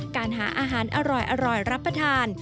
การหาอาหารอร่อยรับประทาน